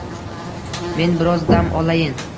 Men biroz dam olayin